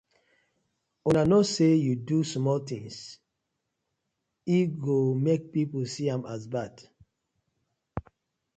Una kno say yu do small tins e go pipu go see am as bad.